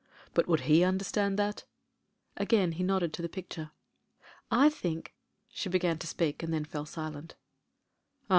But would he understand that ?" Again he nodded to the picture. "I think " She began to speak, and then fell silent "Ah!